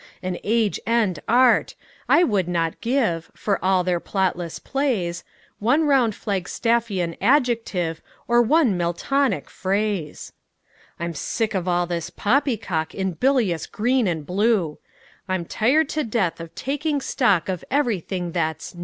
An Age end Art! I would not give, For all their plotless plays, One round Flagstaffian adjective Or one Miltonic phrase. I'm sick of all this poppycock In bilious green and blue; I'm tired to death of taking stock Of everything that's "New."